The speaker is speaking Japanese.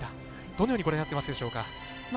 どのようにご覧になっていますでしょうか？